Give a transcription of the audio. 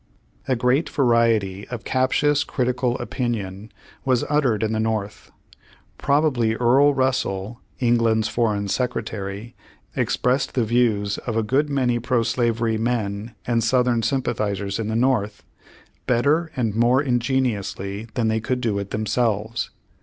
A great variety of captious critical opinion was uttered in the North. Probably Earl Russell, England's Foreign Secretary, expressed the views of a good many pro slavery men and Southern sympathizers in the North, better and more in geniously than they could do it themselves.